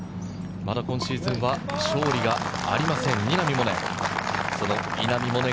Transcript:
まだ今シーズンは勝利がありません、稲見萌寧。